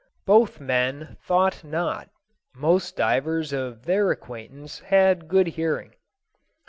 Both men thought not; most divers of their acquaintance had good hearing.